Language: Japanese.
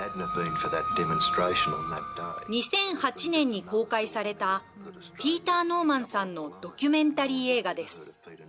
２００８年に公開されたピーター・ノーマンさんのドキュメンタリー映画です。